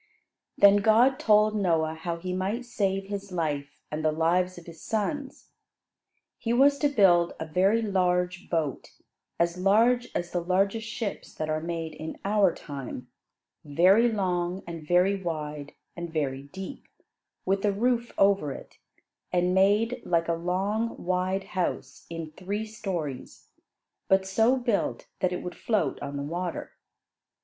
Then God told Noah how he might save his life and the lives of his sons. He was to build a very large boat, as large as the largest ships that are made in our time; very long, and very wide and very deep; with a roof over it; and made like a long, wide house in three stories; but so built that it would float on the water.